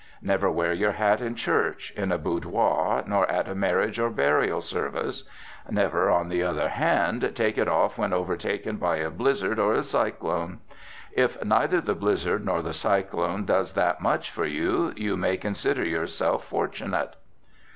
Never wear your hat in church, in a boudoir, nor at a marriage or burial service; never, on the other hand, take it off when overtaken by a blizzard or a cyclone. If neither the blizzard nor the cyclone does that much for you, you may consider yourself fortunate.